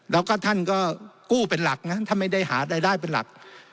แล้วก็ท่านก็กู้เป็นหลักนะถ้าไม่ได้หารายได้เป็นหลัก